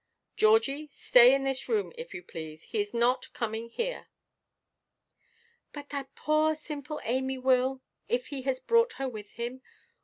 "Georgie, stay in this room, if you please; he is not coming here." "But that poor simple Amy will, if he has brought her with him.